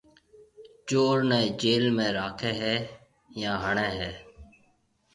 چور نَي جيل ۾ راکيَ هيَ يان هڻيَ هيَ۔